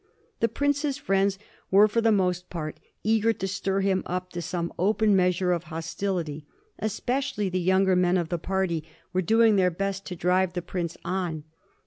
The prince's friends were, for the most part, eager to stir him up to some open measure of hostility ; especially the younger men of the party were doing their best to drive the prince on.